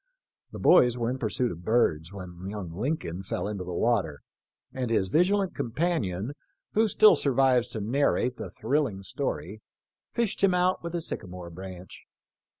The boys were in pursuit of birds, when young Lincoln fell into the water, and his vigilant companion, who still survives to narrate the thrilling story, fished him out with a sycamore branch.